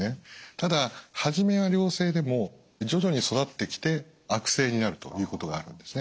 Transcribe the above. ただ初めは良性でも徐々に育ってきて悪性になるということがあるんですね。